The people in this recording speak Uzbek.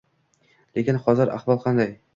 Lekin hozir ahvol qanday?